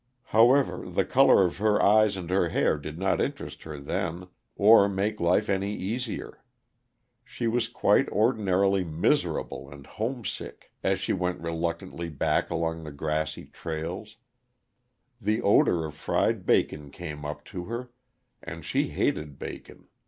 However, the color of her eyes and her hair did not interest her then, or make life any easier. She was quite ordinarily miserable and homesick, as she went reluctantly back along the grassy trails The odor of fried bacon came up to her, and she hated bacon.